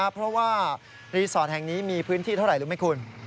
เพราะว่ารีสอร์ทแห่งนี้มีพื้นที่เท่าไหร่รู้ไหมคุณ